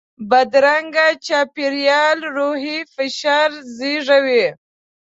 بدرنګه چاپېریال روحي فشار زیږوي